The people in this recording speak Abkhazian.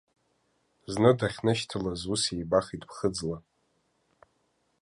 Зны дахьнышьҭалаз ус ибахит ԥхыӡла.